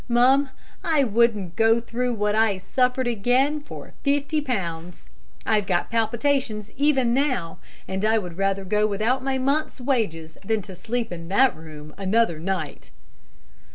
Mum, I wouldn't go through what I suffered again for fifty pounds; I've got palpitations even now; and I would rather go without my month's wages than sleep in that room another night.'